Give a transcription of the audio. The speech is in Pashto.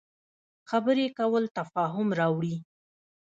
خبرې کول تفاهم راوړي